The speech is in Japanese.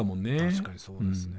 確かにそうですね。